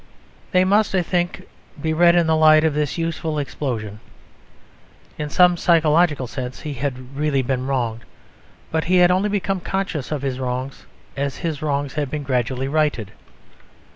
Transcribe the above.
They must, I think, be read in the light of this youthful explosion. In some psychological sense he had really been wronged. But he had only become conscious of his wrongs as his wrongs had been gradually righted.